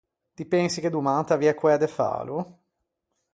Ti pensi che doman t’aviæ coæ de fâlo?